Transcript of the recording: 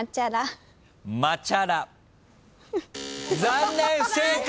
残念不正解。